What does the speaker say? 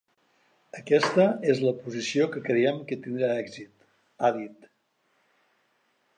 Aquesta és la posició que creiem que tindrà èxit, ha dit.